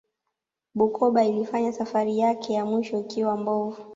bukoba ilifanya safari yake ya mwisho ikiwa mbovu